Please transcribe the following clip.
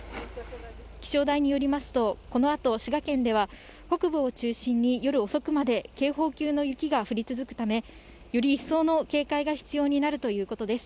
気象台によりますと、このあと滋賀県では、北部を中心に夜遅くまで警報級の雪が降り続くため、より一層の警戒が必要になるということです。